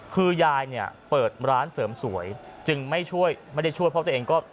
คือยายเนี่ยเปิดร้านเสริมสวยจึงไม่ช่วยไม่ได้ช่วยเพราะตัวเองก็